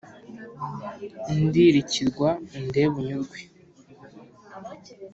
ndirikirwa undebe unyurwe,